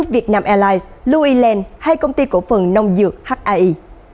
việt nam airlines louis land hay công ty cổ phần nông dược hai